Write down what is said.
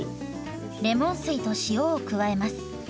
レモン水と塩を加えます。